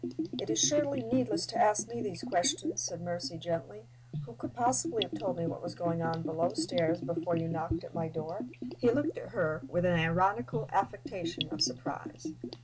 "It is surely needless to ask me these questions," said Mercy, gently. "Who could possibly have told me what was going on below stairs before you knocked at my door?" He looked at her with an ironical affectation of surprise.